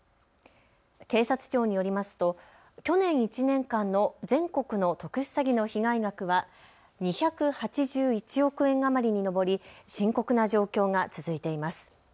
警察庁によりますと去年１年間の全国の特殊詐欺の被害額は２８１億円余りに上り深刻な状況が続いています。